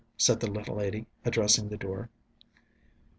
said the little lady, addressing the door.